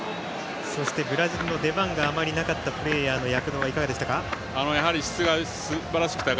そして、ブラジルの出番があまりなかったプレーヤーの躍動はいかがですか？